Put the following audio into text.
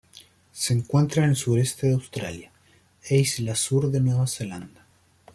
Se encuentra en el sureste de Australia e Isla Sur de Nueva Zelanda.